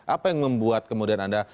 apa yang membuat kemudian anda